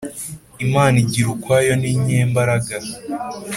imana igira ukwayo ni nyembaraga